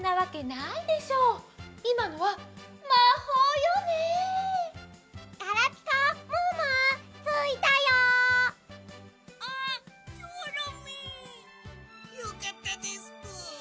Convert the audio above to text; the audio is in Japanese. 「よかったですぷ」。